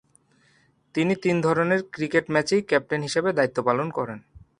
তিনি তিন ধরনের ক্রিকেট ম্যাচেই ক্যাপ্টেন হিসেবে দায়িত্ব পালন করেন।